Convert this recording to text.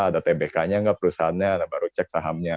ada tbk nya nggak perusahaannya baru cek sahamnya